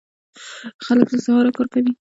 خلک له سهاره کار کوي.